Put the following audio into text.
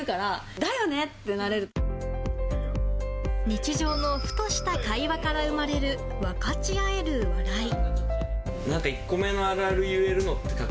日常のふとした会話から生まれる分かち合える笑い。